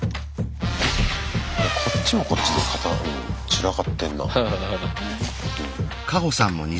こっちもこっちで散らかってんな。